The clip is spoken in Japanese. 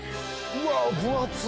うわ分厚ぅ！